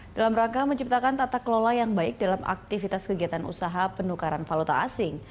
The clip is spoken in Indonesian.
dalam rangka menciptakan tata kelola yang baik dalam aktivitas kegiatan usaha penukaran valuta asing